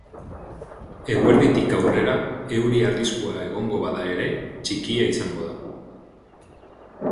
Eguerditik aurrera, euri arriskua egongo bada ere, txikia izango da.